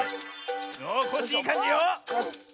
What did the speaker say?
おっコッシーいいかんじよ。